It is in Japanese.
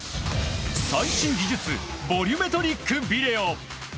最新技術ボリュメトリックビデオ。